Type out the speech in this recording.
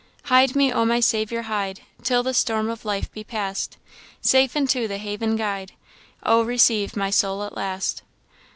Hide me, O my Saviour, hide, Till the storm of life be past Safe into the haven guide, Oh, receive my soul at last!